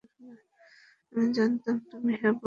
আমি জানতাম তুমি হ্যাঁ বলবে!